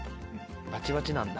バチバチなんだ。